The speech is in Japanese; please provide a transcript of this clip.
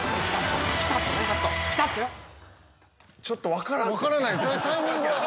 ちょっと分からんて。